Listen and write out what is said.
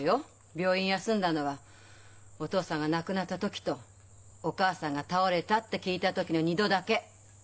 病院休んだのはお父さんが亡くなった時とお母さんが倒れたって聞いた時の２度だけ。